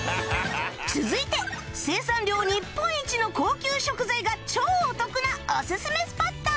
続いて生産量日本一の高級食材が超お得なオススメスポット